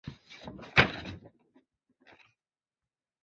古滕斯特滕是德国巴伐利亚州的一个市镇。